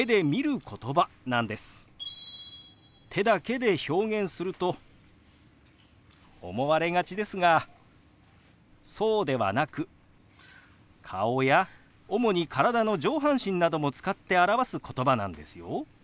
手だけで表現すると思われがちですがそうではなく顔や主に体の上半身なども使って表すことばなんですよ。